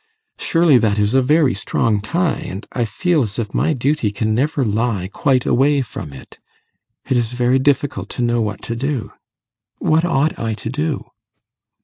Surely that is a very strong tie, and I feel as if my duty can never lie quite away from it. It is very difficult to know what to do: what ought I to do?